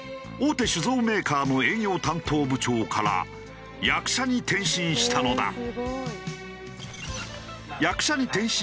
大手酒造メーカーの営業担当部長から役者に転身したのだ。